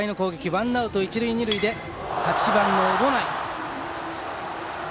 ワンアウト、一塁二塁で８番の小保内。